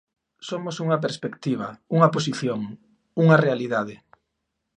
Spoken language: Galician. Somos unha perspectiva, unha posición, unha realidade.